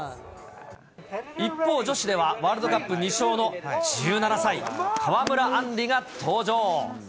一方、女子ではワールドカップ２勝の１７歳、川村あんりが登場。